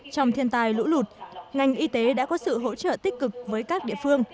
trong thiên tai lũ lụt ngành y tế đã có sự hỗ trợ tích cực với các địa phương